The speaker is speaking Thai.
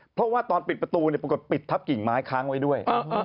เพราะว่าตอนปิดประตูปรากฏปิดทับกิ่งไม้ค้างไว้ด้วย